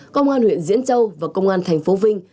công an huyện diễn châu và công an thành phố vinh